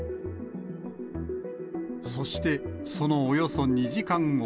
そして、そのおよそ２時間後。